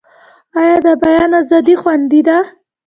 آیا د بیان ازادي خوندي ده؟